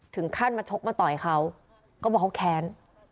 ถึงขั้นมาชกมาต่อยเขาก็บอกเขาแค้น